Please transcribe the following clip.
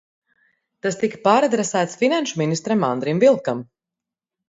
Tas tika pāradresēts finanšu ministram Andrim Vilkam.